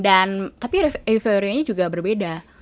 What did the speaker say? dan tapi revaluanya juga berbeda